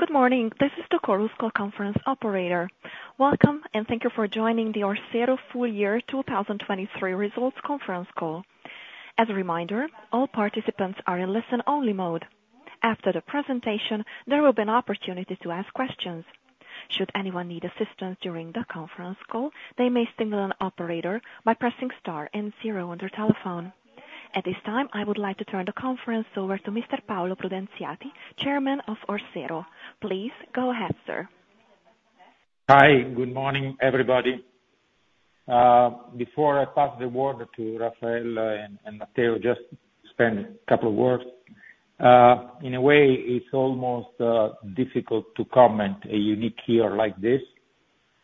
Good morning. This is the Chorus Call Conference Operator. Welcome, and thank you for joining the Orsero full year 2023 results conference call. As a reminder, all participants are in listen-only mode. After the presentation, there will be an opportunity to ask questions. Should anyone need assistance during the conference call, they may signal an operator by pressing star and zero on their telephone. At this time, I would like to turn the conference over to Mr. Paolo Prudenziati, Chairman of Orsero. Please go ahead, sir. Hi. Good morning, everybody. Before I pass the word to Raffaella and Matteo, just to spend a couple of words. In a way, it's almost difficult to comment on a unique year like this,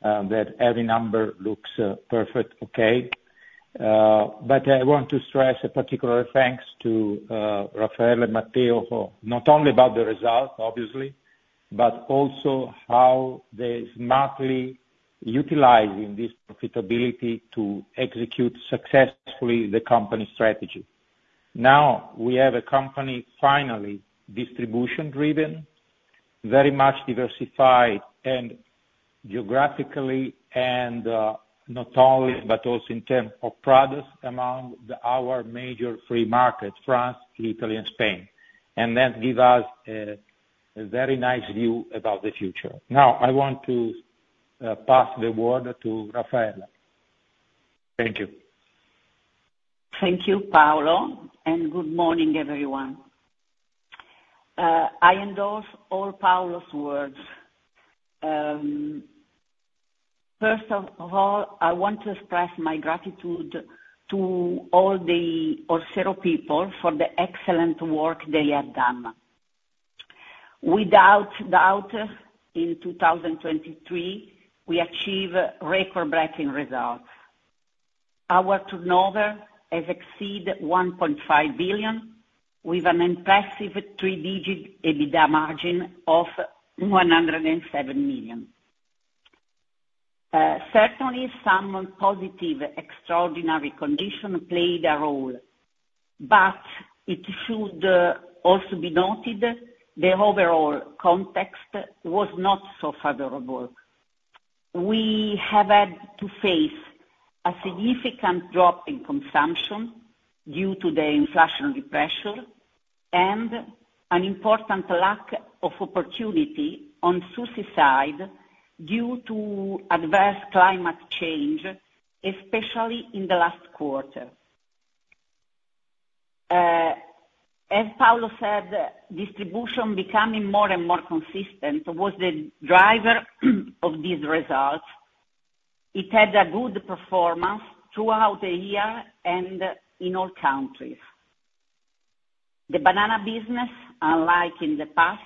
that every number looks perfect, okay. But I want to stress a particular thanks to Raffaella and Matteo for not only about the results, obviously, but also how they're smartly utilizing this profitability to execute successfully the company strategy. Now, we have a company finally distribution-driven, very much diversified geographically and not only but also in terms of products among our major three markets: France, Italy, and Spain, and that gives us a very nice view about the future. Now, I want to pass the word to Raffaella. Thank you. Thank you, Paolo, and good morning, everyone. I endorse all Paolo's words. First of all, I want to express my gratitude to all the Orsero people for the excellent work they have done. Without doubt, in 2023, we achieved record-breaking results. Our turnover has exceeded 1.5 billion, with an impressive three-digit EBITDA margin of EUR 107 million. Certainly, some positive extraordinary conditions played a role, but it should also be noted the overall context was not so favorable. We have had to face a significant drop in consumption due to the inflationary pressure and an important lack of opportunity on sourcing side due to adverse climate change, especially in the last quarter. As Paolo said, distribution becoming more and more consistent was the driver of these results. It had a good performance throughout the year and in all countries. The banana business, unlike in the past,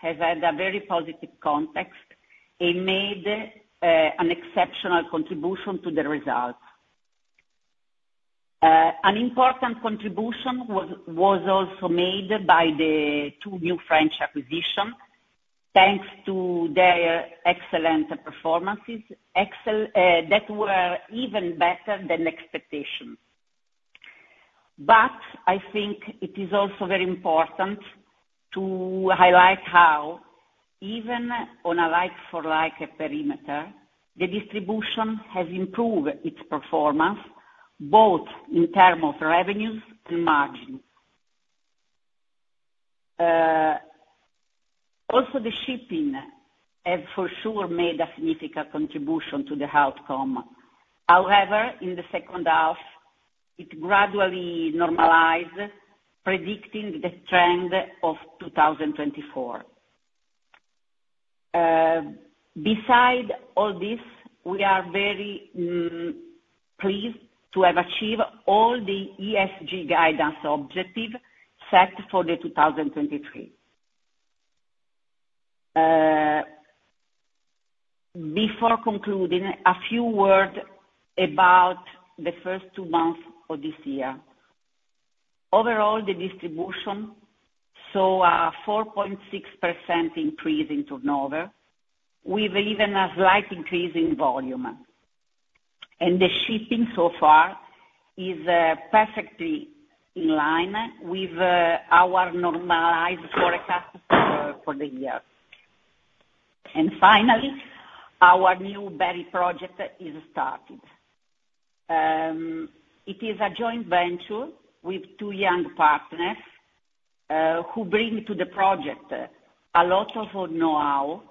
has had a very positive context and made an exceptional contribution to the results. An important contribution was also made by the two new French acquisitions thanks to their excellent performances that were even better than expectations. But I think it is also very important to highlight how even on a like-for-like perimeter, the distribution has improved its performance both in terms of revenues and margins. Also, the shipping has for sure made a significant contribution to the outcome. However, in the second half, it gradually normalized, predicting the trend of 2024. Besides all this, we are very pleased to have achieved all the ESG guidance objectives set for 2023. Before concluding, a few words about the first two months of this year. Overall, the distribution saw a 4.6% increase in turnover, with even a slight increase in volume. The shipping so far is perfectly in line with our normalized forecast for the year. Finally, our new berries project is started. It is a joint venture with two young partners, who bring to the project a lot of know-how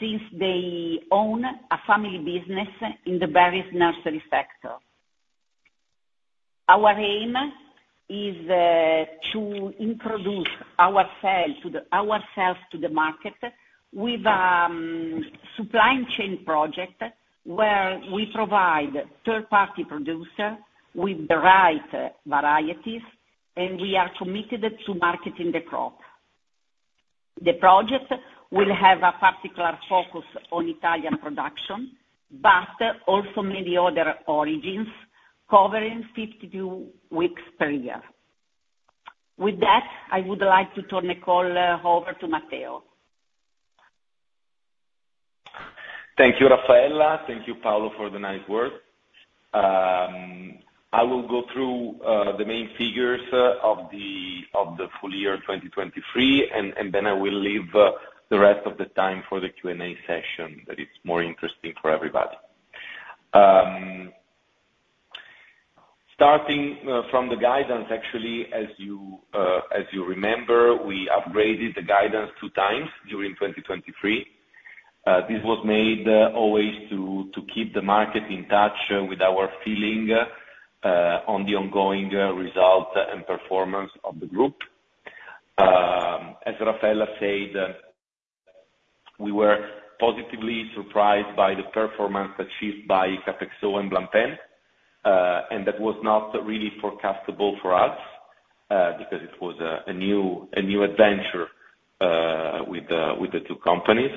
since they own a family business in the berries nursery sector. Our aim is to introduce ourselves to the market with a supply chain project where we provide third-party producers with the right varieties, and we are committed to marketing the crop. The project will have a particular focus on Italian production but also many other origins, covering 52 weeks per year. With that, I would like to turn the call over to Matteo. Thank you, Raffaella. Thank you, Paolo, for the nice words. I will go through the main figures of the full year 2023, and then I will leave the rest of the time for the Q&A session that is more interesting for everybody. Starting from the guidance, actually, as you remember, we upgraded the guidance two times during 2023. This was made always to keep the market in touch with our feeling on the ongoing results and performance of the group. As Raffaella said, we were positively surprised by the performance achieved by Capexo and Blampin, and that was not really forecastable for us, because it was a new adventure with the two companies.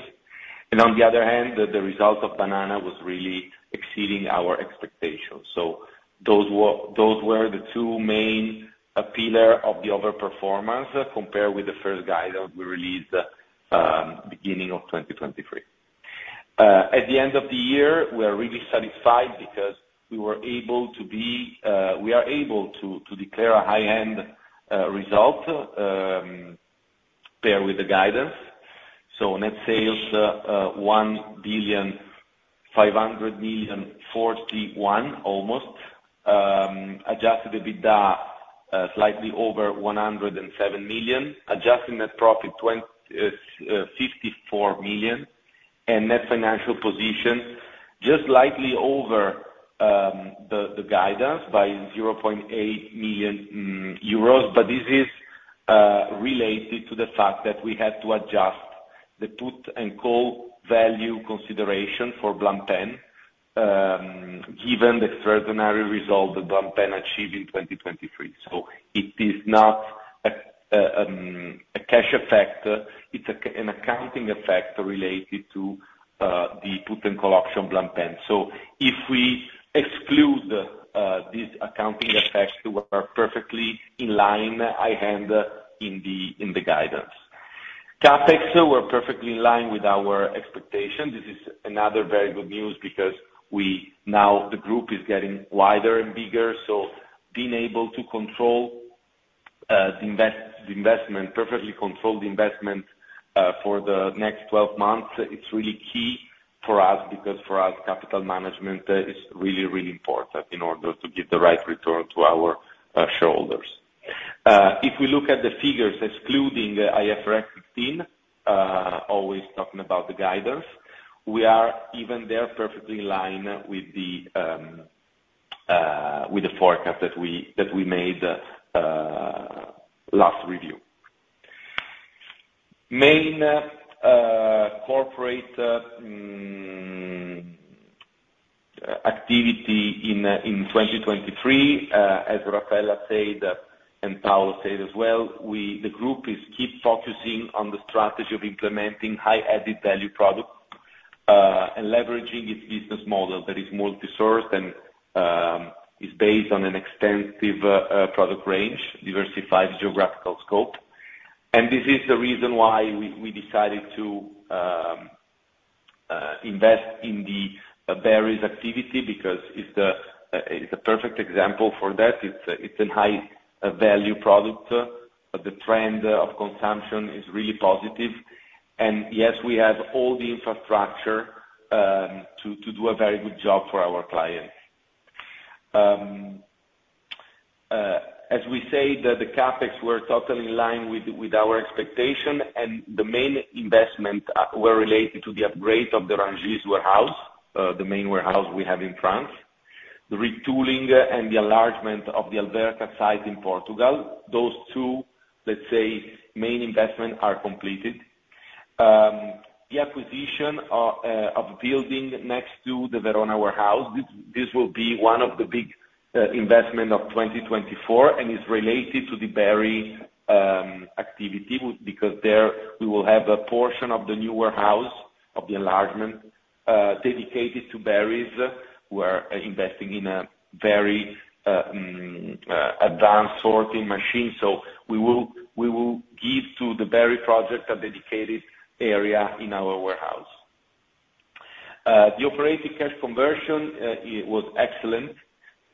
And on the other hand, the result of bananas was really exceeding our expectations. So those were those were the two main pillars of the overperformance compared with the first guidance we released beginning of 2023. At the end of the year, we are really satisfied because we were able to be we are able to, to declare a high-end result paired with the guidance. So net sales, EUR 1.541 billion, almost, adjusted EBITDA, slightly over 107 million, adjusted net profit 20.54 million, and net financial position just slightly over the guidance by 0.8 million euros. But this is related to the fact that we had to adjust the put and call value consideration for Blampin, given the extraordinary result that Blampin achieved in 2023. So it is not a cash effect. It's an accounting effect related to the put and call option Blampin. So if we exclude this accounting effect, we are perfectly in line, high-end, in the guidance. Capexo was perfectly in line with our expectations. This is another very good news because now the group is getting wider and bigger. So being able to control the investment perfectly for the next 12 months, it's really key for us because for us, capital management is really, really important in order to give the right return to our shareholders. If we look at the figures excluding IFRS 15, always talking about the guidance, we are even there perfectly in line with the forecast that we made last review. Main corporate activity in 2023, as Raffaella said, and Paolo said as well, we the group is keep focusing on the strategy of implementing high-added value products, and leveraging its business model that is multi-sourced and is based on an extensive product range, diversified geographical scope. And this is the reason why we decided to invest in the berries activity because it's a perfect example for that. It's a high value product. The trend of consumption is really positive. And yes, we have all the infrastructure to do a very good job for our clients. As we said, the CapEx were totally in line with our expectations. And the main investments were related to the upgrade of the Rungis warehouse, the main warehouse we have in France, the retooling, and the enlargement of the Alverca site in Portugal. Those two, let's say, main investments are completed. The acquisition of building next to the Verona warehouse, this will be one of the big investments of 2024 and is related to the Berry activity because there we will have a portion of the new warehouse of the enlargement dedicated to berries. We're investing in a very advanced sorting machine. So we will give to the Berry project a dedicated area in our warehouse. The operating cash conversion, it was excellent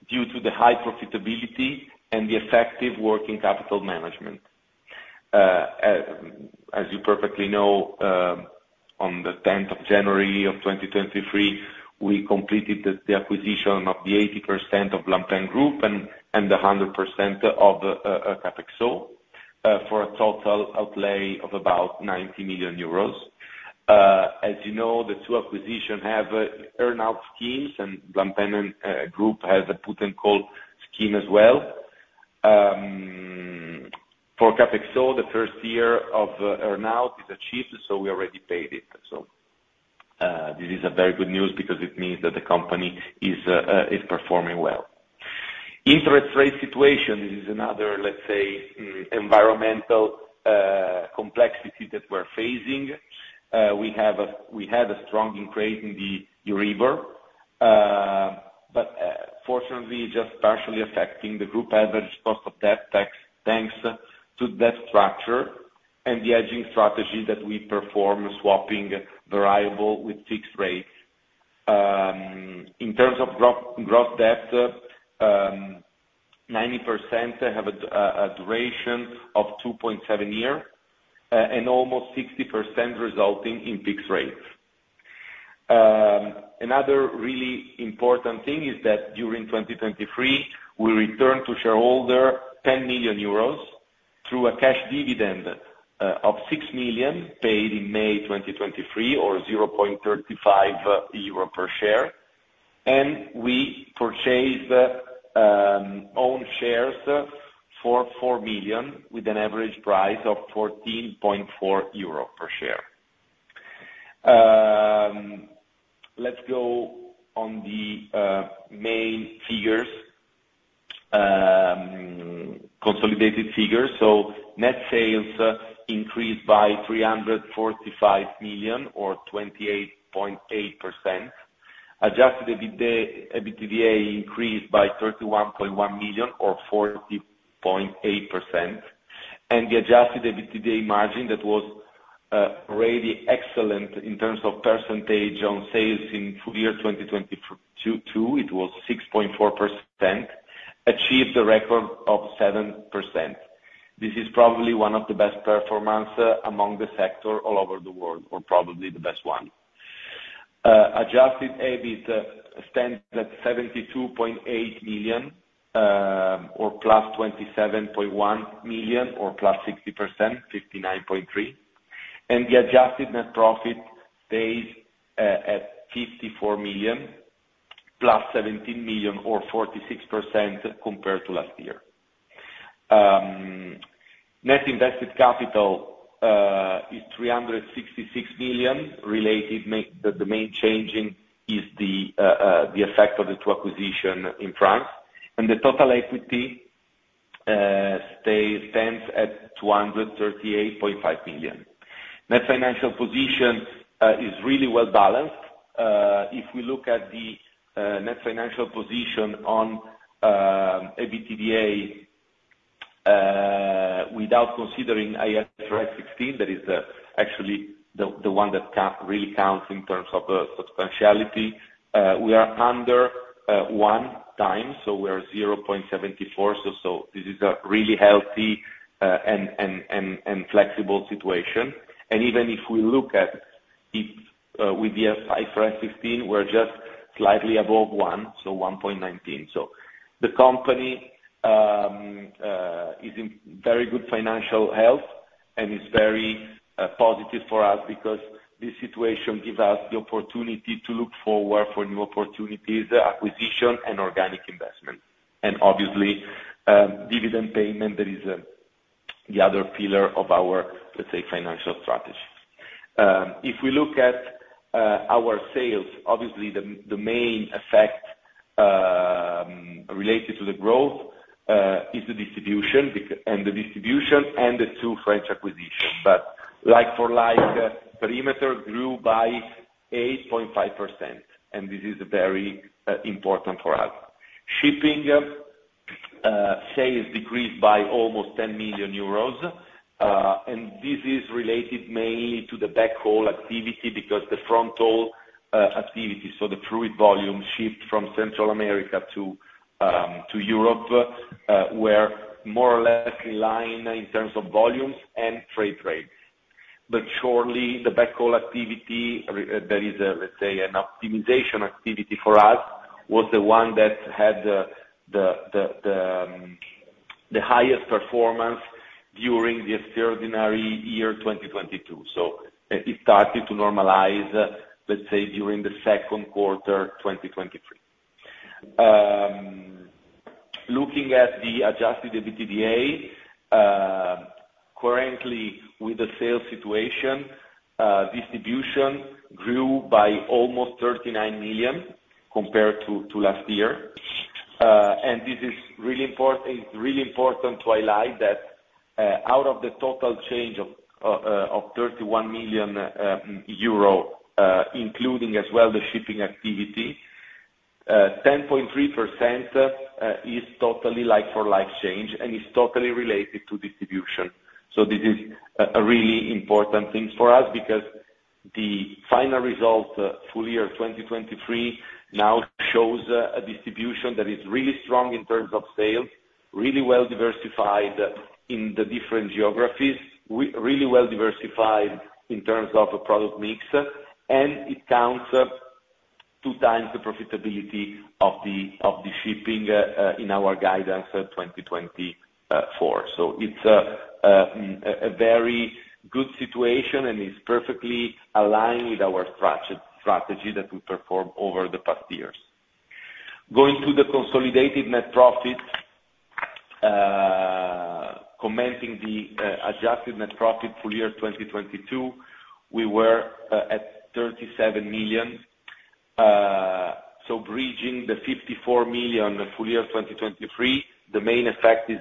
due to the high profitability and the effective working capital management. As you perfectly know, on the 10th of January of 2023, we completed the acquisition of the 80% of Blampin Groupe and the 100% of Capexo, for a total outlay of about 90 million euros. As you know, the two acquisitions have earnout schemes, and Blampin Group has a put and call scheme as well. For Capexo, the first year of earnout is achieved, so we already paid it. So, this is a very good news because it means that the company is performing well. Interest rate situation, this is another, let's say, environmental complexity that we're facing. We had a strong increase in the Euribor, but fortunately, just partially affecting the group average cost of debt. Thanks to debt structure and the hedging strategy that we perform, swapping variable with fixed rates. In terms of gross debt, 90% have a duration of 2.7 years, and almost 60% resulting in fixed rates. Another really important thing is that during 2023, we returned to shareholders 10 million euros through a cash dividend of 6 million paid in May 2023 or 0.35 euro per share. And we purchased own shares for 4 million with an average price of 14.4 euro per share. Let's go on to the main figures, consolidated figures. So net sales increased by 345 million or 28.8%. Adjusted EBITDA increased by 31.1 million or 40.8%. And the adjusted EBITDA margin that was already excellent in terms of percentage on sales in full year 2022, it was 6.4%, achieved a record of 7%. This is probably one of the best performance among the sector all over the world or probably the best one. Adjusted EBIT stands at 72.8 million, or plus 27.1 million or plus 60%, 59.3%. The adjusted net profit stays at 54 million, plus 17 million or 46% compared to last year. Net invested capital is 366 million, related to the main change is the effect of the two acquisitions in France. The total equity stands at 238.5 million. Net Financial Position is really well balanced. If we look at the Net Financial Position on EBITDA, without considering IFRS 16, that is actually the one that can really count in terms of substantiality, we are under 1x. So we are 0.74x. So this is a really healthy and flexible situation. Even if we look at it with the IFRS 16, we're just slightly above 1x, so 1.19x. So the company is in very good financial health and is very positive for us because this situation gives us the opportunity to look forward for new opportunities, acquisition, and organic investment. Obviously, dividend payment, that is, the other pillar of our, let's say, financial strategy. If we look at our sales, obviously, the main effect related to the growth is the distribution and the two French acquisitions. Like-for-like, perimeter grew by 8.5%, and this is very important for us. Shipping sales decreased by almost 10 million euros. And this is related mainly to the backhaul activity because the fronthaul activity so the fluid volume shipped from Central America to Europe, we're more or less in line in terms of volumes and trade rates. Surely, the backhaul activity, that is, let's say, an optimization activity for us was the one that had the highest performance during the extraordinary year 2022. So, it started to normalize, let's say, during the second quarter 2023. Looking at the adjusted EBITDA, currently, with the sales situation, distribution grew by almost 39 million compared to last year. And this is really important; it's really important to highlight that, out of the total change of 31 million euro, including as well the shipping activity, 10.3% is totally like-for-like change and is totally related to distribution. So this is a really important thing for us because the final result, full year 2023 now shows, a distribution that is really strong in terms of sales, really well diversified in the different geographies, we really well diversified in terms of a product mix. It counts 2 times the profitability of the shipping in our guidance 2024. It's a very good situation and is perfectly aligned with our structure strategy that we performed over the past years. Going to the consolidated net profit, commenting the adjusted net profit full year 2022, we were at 37 million. So bridging the 54 million full year 2023, the main effect is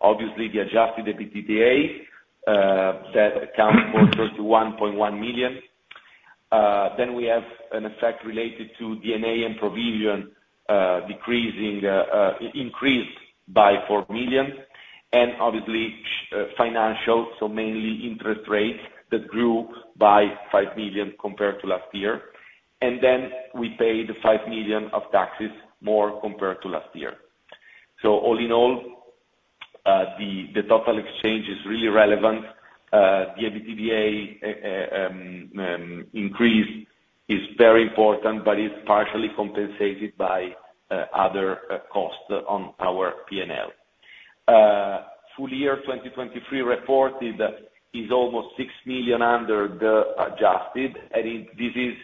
obviously the adjusted EBITDA that accounts for 31.1 million. Then we have an effect related to D&A and provision decreasing increased by 4 million. And obviously net financial, so mainly interest rates that grew by 5 million compared to last year. And then we paid 5 million of taxes more compared to last year. So all in all, the total exchange is really relevant. The EBITDA increase is very important, but it's partially compensated by other costs on our P&L. Full year 2023 reported is almost 6 million under the adjusted. And it this is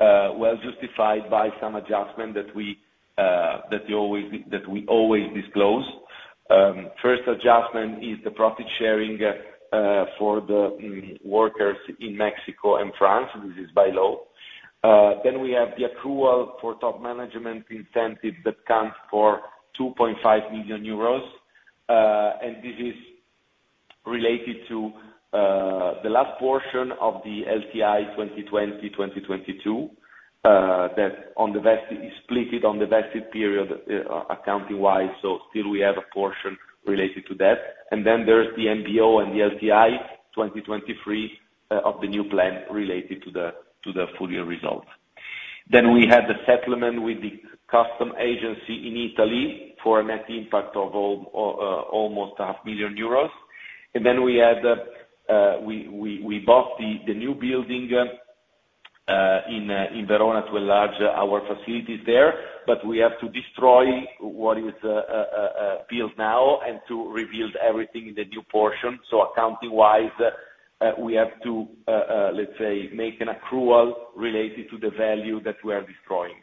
well justified by some adjustment that we, that you always that we always disclose. First adjustment is the profit sharing for the workers in Mexico and France. This is by law. Then we have the accrual for top management incentive that counts for 2.5 million euros. And this is related to the last portion of the LTI 2020-2022, that on the vested is split on the vested period, accounting-wise. So still, we have a portion related to that. And then there's the MBO and the LTI 2023, of the new plan related to the full year result. Then we had the settlement with the customs agency in Italy for a net impact of almost 500,000 euros. And then we bought the new building in Verona to enlarge our facilities there. But we have to destroy what is built now and to rebuild everything in the new portion. So accounting-wise, we have to, let's say, make an accrual related to the value that we are destroying,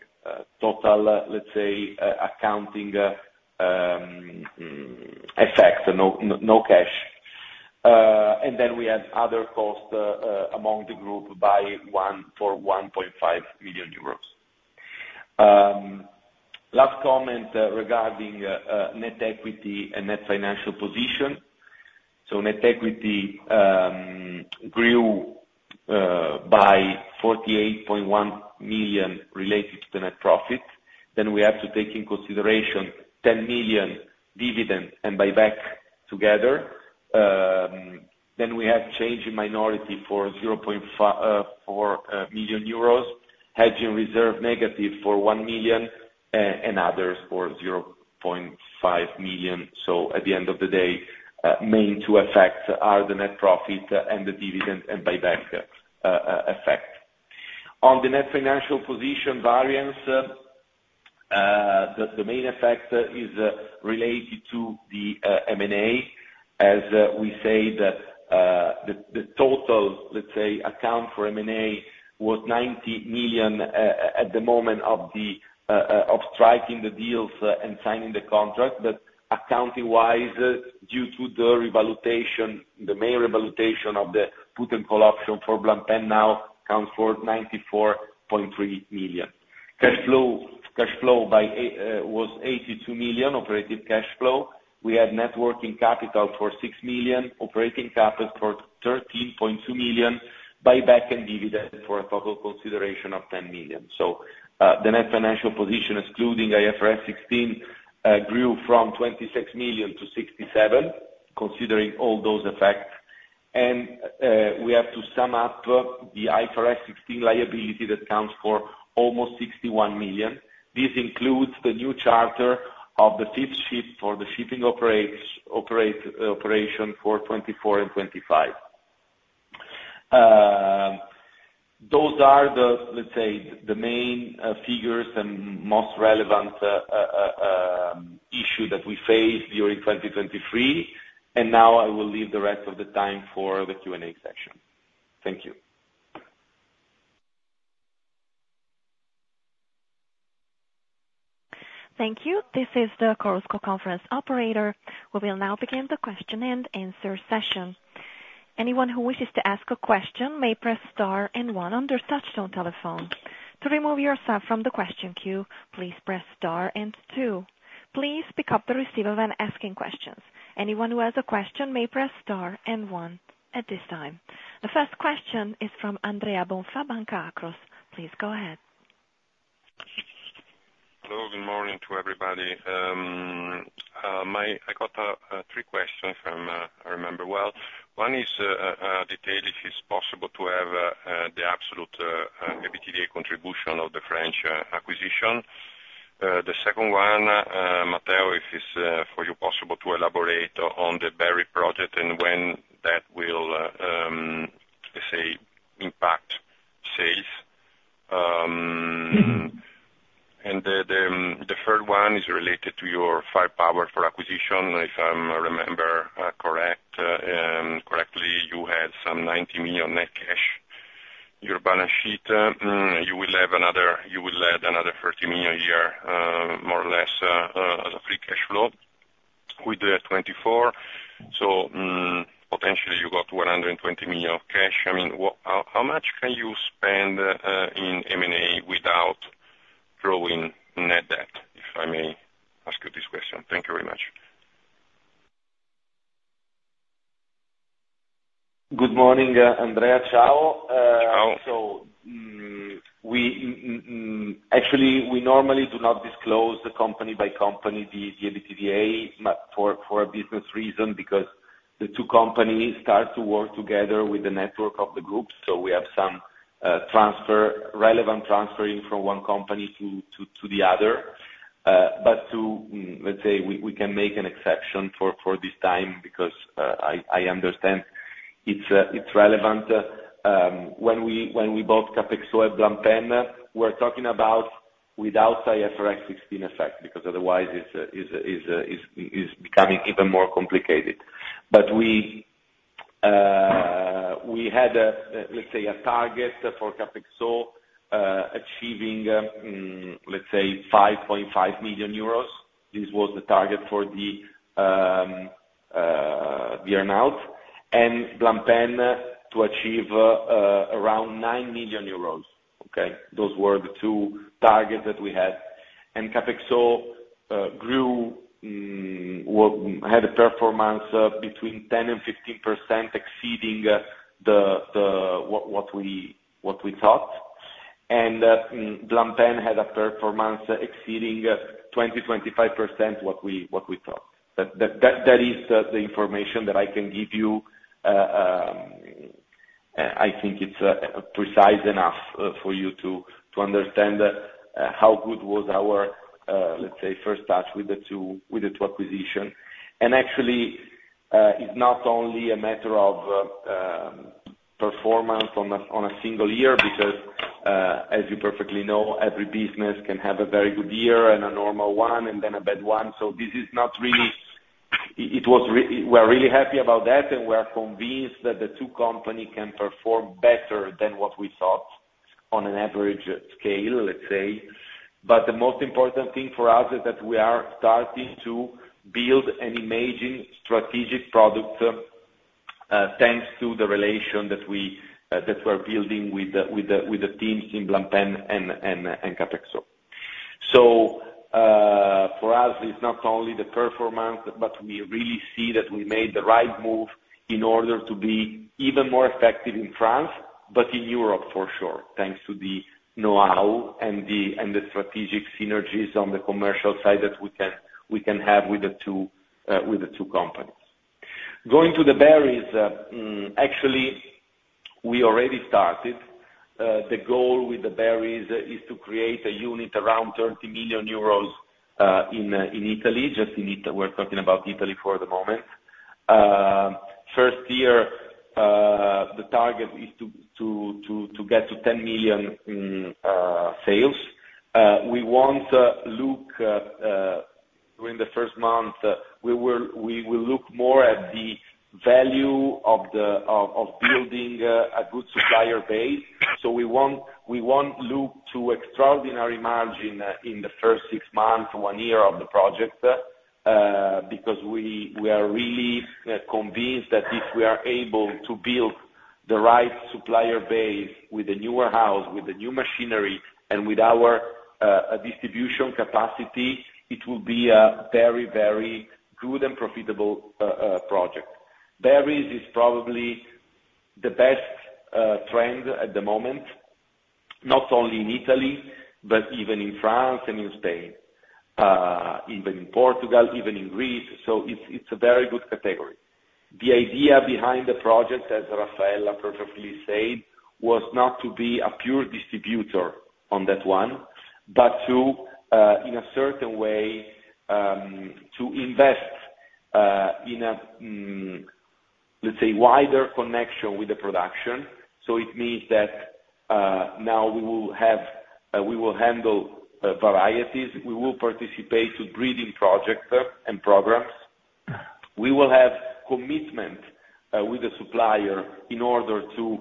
total accounting effect, no cash. And then we have other costs among the group by 1.5 million euros. Last comment regarding net equity and net financial position. So net equity grew by 48.1 million related to the net profit. Then we have to take in consideration 10 million dividend and buyback together. Then we have change in minority for 0.5 million euros, hedging reserve negative for 1 million, and others for 0.5 million. So at the end of the day, the main two effects are the net profit and the dividend and buyback effect. On the net financial position variance, the main effect is related to the M&A. As we say that, the total, let's say, account for M&A was 90 million at the moment of striking the deals and signing the contract. But accounting-wise, due to the revaluation, the main revaluation of the put and call option for Blampin now counts for 94.3 million. Cash flow cash flow by eight was 82 million operative cash flow. We had net working capital for 6 million, operating capital for 13.2 million, buyback and dividend for a total consideration of 10 million. So the net financial position excluding IFRS 16 grew from 26 million to 67 considering all those effects. We have to sum up the IFRS 16 liability that counts for almost 61 million. This includes the new charter of the fifth ship for the shipping operation for 2024 and 2025. Those are the, let's say, main figures and most relevant issue that we faced during 2023. Now I will leave the rest of the time for the Q&A section. Thank you. Thank you. This is the Chorus Call conference operator. We will now begin the question and answer session. Anyone who wishes to ask a question may press star and one on their touch-tone telephone. To remove yourself from the question queue, please press star and two. Please pick up the receiver when asking questions. Anyone who has a question may press star and one at this time. The first question is from Andrea Bonfà, Banca Akros. Please go ahead. Hello. Good morning to everybody. I got three questions if I remember well. One is detail if it's possible to have the absolute EBITDA contribution of the French acquisition. The second one, Matteo, if it's for you possible to elaborate on the BERRY project and when that will, let's say, impact sales. The third one is related to your firepower for acquisition, if I remember correctly, you had some 90 million net cash. Your balance sheet, you will add another 30 million here, more or less, as a free cash flow with the 2024. So, potentially, you got 120 million of cash. I mean, what, how much can you spend in M&A without growing net debt, if I may ask you this question? Thank you very much. Good morning, Andrea. Ciao. Ciao. So, actually, we normally do not disclose the company by company, the EBITDA but for a business reason because the two companies start to work together with the network of the group. So we have some relevant transferring from one company to the other. But to let's say we can make an exception for this time because I understand it's relevant. When we bought Capexo and Blampin, we're talking about without IFRS 16 effect because otherwise it's becoming even more complicated. But we had a let's say a target for Capexo achieving let's say 5.5 million euros. This was the target for the year-end out. And Blampin to achieve around 9 million euros. Okay? Those were the two targets that we had. Capexo grew, well, had a performance between 10%-15% exceeding what we thought. Blampin had a performance exceeding 20%-25% what we thought. That is the information that I can give you. I think it's precise enough for you to understand how good was our, let's say, first touch with the two acquisitions. And actually, it's not only a matter of performance on a single year because, as you perfectly know, every business can have a very good year and a normal one and then a bad one. So this is not really it was really we're really happy about that, and we're convinced that the two companies can perform better than what we thought on an average scale, let's say. But the most important thing for us is that we are starting to build an amazing strategic product, thanks to the relationship that we're building with the teams in Blampin and Capexo. So, for us, it's not only the performance, but we really see that we made the right move in order to be even more effective in France, but in Europe for sure thanks to the know-how and the strategic synergies on the commercial side that we can have with the two companies. Going to the berries, actually, we already started. The goal with the berries is to create a unit around 30 million euros, in Italy. Just in Italy, we're talking about Italy for the moment. First year, the target is to get to 10 million sales. We're not looking during the first month; we will look more at the value of building a good supplier base. So we're not looking to extraordinary margins in the first six months, one year of the project, because we are really convinced that if we are able to build the right supplier base with a greenhouse, with the new machinery, and with our distribution capacity, it will be a very, very good and profitable project. Berries is probably the best trend at the moment not only in Italy but even in France and in Spain, even in Portugal, even in Greece. So it's a very good category. The idea behind the project, as Raffaella perfectly said, was not to be a pure distributor on that one but to, in a certain way, to invest, in a, let's say, wider connection with the production. So it means that, now we will handle varieties. We will participate to breeding projects and programs. We will have commitment with the supplier in order to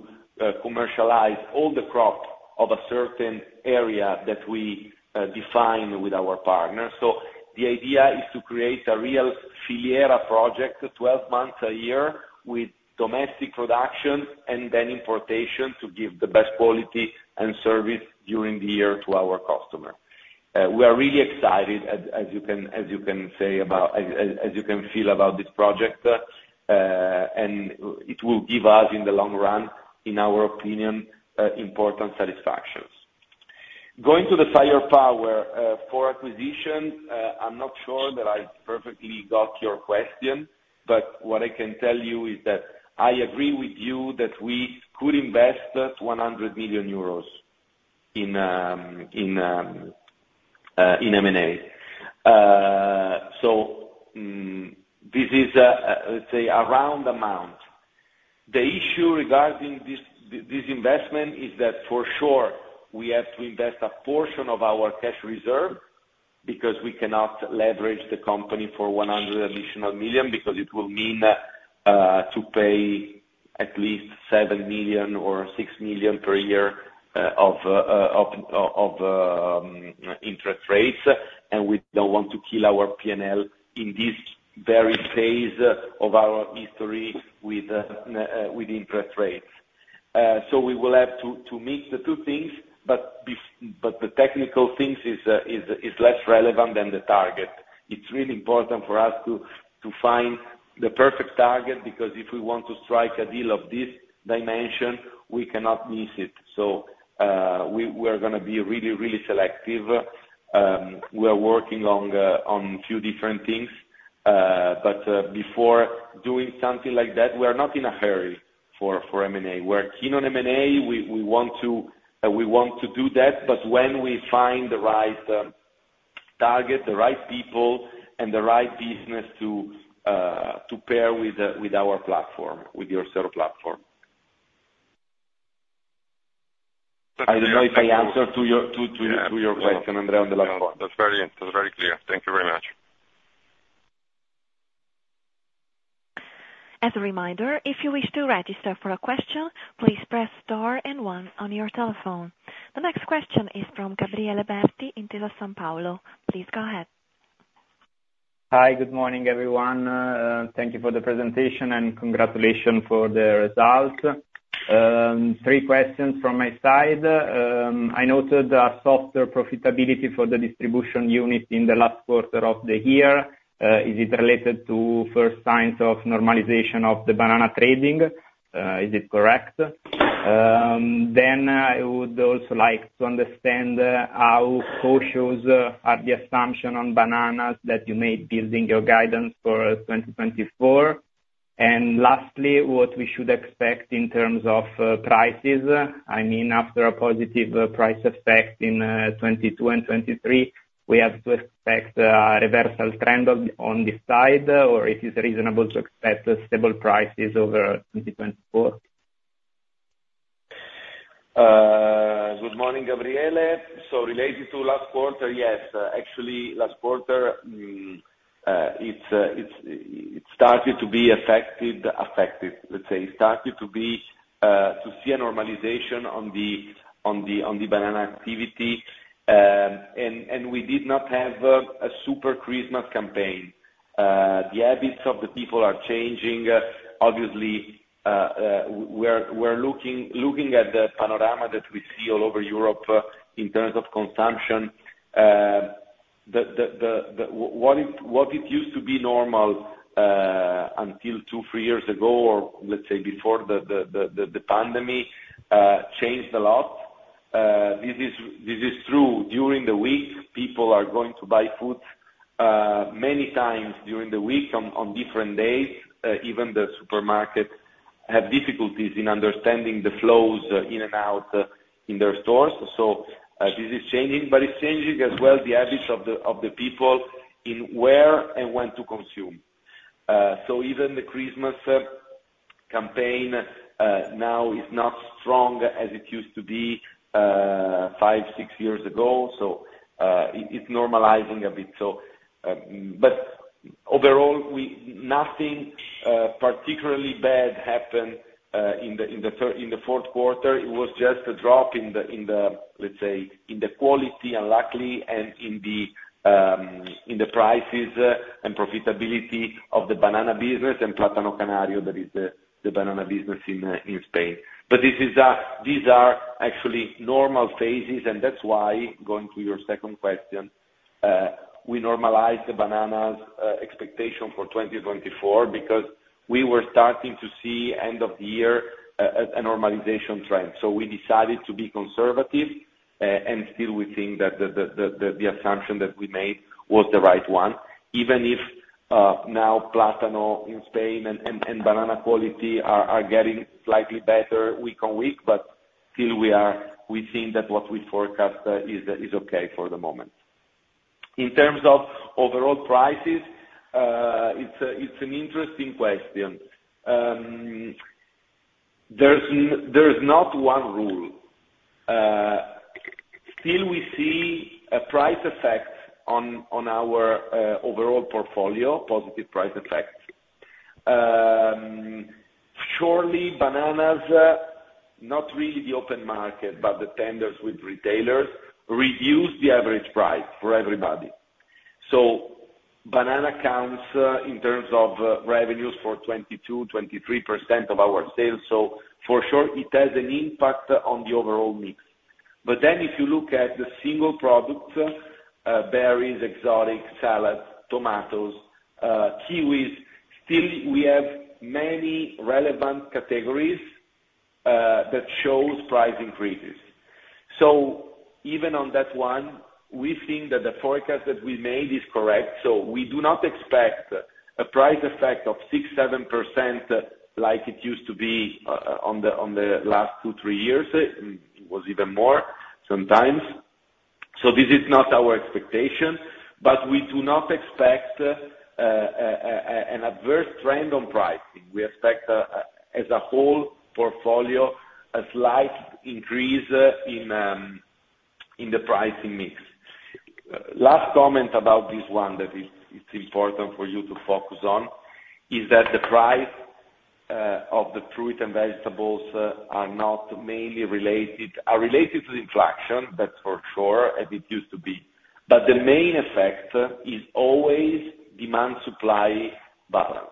commercialize all the crop of a certain area that we define with our partner. So the idea is to create a real filiera project 12 months a year with domestic production and then importation to give the best quality and service during the year to our customer. We are really excited, as you can say about this project, as you can feel. And it will give us in the long run, in our opinion, important satisfactions. Going to the firepower, for acquisition, I'm not sure that I perfectly got your question. But what I can tell you is that I agree with you that we could invest 100 million euros in M&A. So, this is, let's say, a round amount. The issue regarding this, this investment is that for sure, we have to invest a portion of our cash reserve because we cannot leverage the company for 100 million because it will mean to pay at least 7 million or 6 million per year of interest rates. And we don't want to kill our P&L in this very phase of our history with interest rates. So we will have to mix the two things. But the technical things is less relevant than the target. It's really important for us to find the perfect target because if we want to strike a deal of this dimension, we cannot miss it. So, we are going to be really, really selective. We are working on a few different things. But before doing something like that, we are not in a hurry for M&A. We're keen on M&A. We want to do that. But when we find the right target, the right people, and the right business to pair with our platform with the Orsero platform. That's very clear. I don't know if I answered to your question, Andrea, on the last part. No, no. That's very, that's very clear. Thank you very much. As a reminder, if you wish to register for a question, please press star and one on your telephone. The next question is from Gabriele Berti in Intesa Sanpaolo. Please go ahead. Hi. Good morning, everyone. Thank you for the presentation, and congratulations for the results. Three questions from my side. I noted a softer profitability for the distribution unit in the last quarter of the year. Is it related to first signs of normalization of the banana trading? Is it correct? Then I would also like to understand how cautious are the assumption on bananas that you made building your guidance for 2024. And lastly, what we should expect in terms of prices. I mean, after a positive price effect in 2022 and 2023, we have to expect reversal trend on this side, or it is reasonable to expect stable prices over 2024? Good morning, Gabriele. So related to last quarter, yes. Actually, last quarter, it's started to be affected, let's say. It started to see a normalization on the banana activity. And we did not have a super Christmas campaign. The habits of the people are changing. Obviously, we're looking at the panorama that we see all over Europe in terms of consumption. What it used to be normal until two, three years ago or, let's say, before the pandemic changed a lot. This is true. During the week, people are going to buy food many times during the week on different days. Even the supermarkets have difficulties in understanding the flows in and out in their stores. So, this is changing. But it's changing as well the habits of the people in where and when to consume. So even the Christmas campaign now is not strong as it used to be, five, six years ago. So it's normalizing a bit. So but overall, nothing particularly bad happened in the third and fourth quarter. It was just a drop in the, let's say, in the quality, unluckily, and in the prices and profitability of the banana business and Plátano Canario, that is, the banana business in Spain. But this is, these are actually normal phases. And that's why going to your second question, we normalized the bananas expectation for 2024 because we were starting to see end of the year a normalization trend. So we decided to be conservative. and still, we think that the assumption that we made was the right one. Even if now Plátano in Spain and banana quality are getting slightly better week on week. But still, we think that what we forecast is okay for the moment. In terms of overall prices, it's an interesting question. There's not one rule. Still, we see a price effect on our overall portfolio, positive price effect. Surely, bananas, not really the open market but the tenders with retailers reduce the average price for everybody. So banana counts, in terms of revenues, for 22%-23% of our sales. So for sure, it has an impact on the overall mix. But then if you look at the single products, berries, exotic salad, tomatoes, kiwis, still, we have many relevant categories that show price increases. So even on that one, we think that the forecast that we made is correct. So we do not expect a price effect of 6%-7% like it used to be, on the last 2-3 years. It was even more sometimes. So this is not our expectation. But we do not expect an adverse trend on pricing. We expect, as a whole portfolio, a slight increase in the pricing mix. Last comment about this one that it's important for you to focus on is that the price of the fruit and vegetables are not mainly related are related to inflation, that's for sure, as it used to be. But the main effect is always demand-supply balance.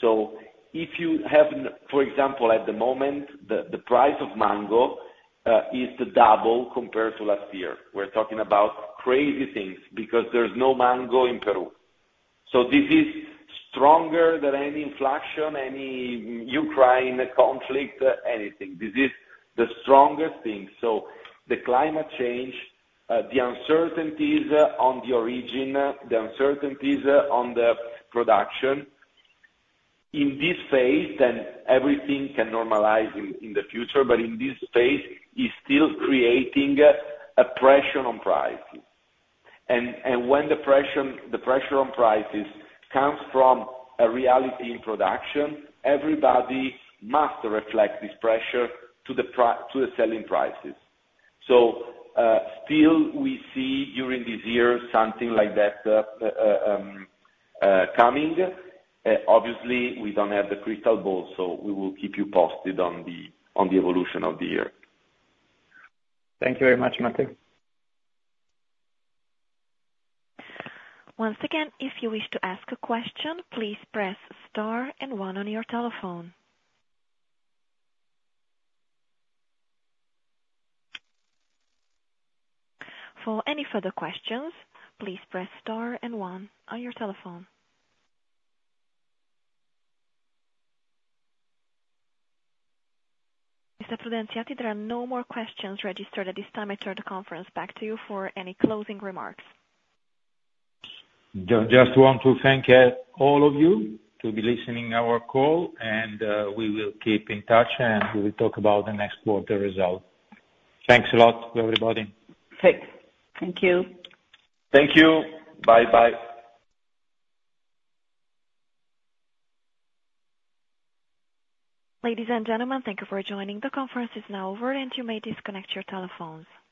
So if you have, for example, at the moment, the price of mango is the double compared to last year. We're talking about crazy things because there's no mango in Peru. So this is stronger than any inflation, any Ukraine conflict, anything. This is the strongest thing. So the climate change, the uncertainties on the origin, the uncertainties on the production, in this phase, then everything can normalize in the future. But in this phase, it's still creating a pressure on prices. And when the pressure on prices comes from a reality in production, everybody must reflect this pressure to the selling prices. So, still, we see during this year something like that, coming. Obviously, we don't have the crystal ball. So we will keep you posted on the evolution of the year. Thank you very much, Matteo. Once again, if you wish to ask a question, please press star and one on your telephone. For any further questions, please press star and one on your telephone. Mr. Prudenziati, there are no more questions registered at this time. I turn the conference back to you for any closing remarks. Just want to thank all of you for listening to our call. We will keep in touch, and we will talk about the next quarter result. Thanks a lot to everybody. Thanks. Thank you. Thank you. Bye-bye. Ladies and gentlemen, thank you for joining. The conference is now over, and you may disconnect your telephones.